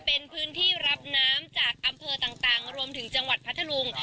เป็นพื้นที่รับน้ำจากอำเภอต่างรวมถึงจังหวัดพัทธลุง